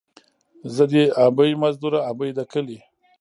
ـ زه دې ابۍ مزدوره ، ابۍ دې کلي.